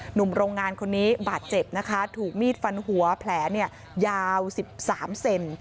หนุ่มโรงงานคนนี้บาดเจ็บนะคะถูกมีดฟันหัวแผลเนี่ยยาว๑๓เซน